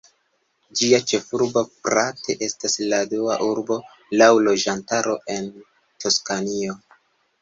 Ĝia ĉefurbo, Prato, estas la dua urbo laŭ loĝantaro en Toskanio.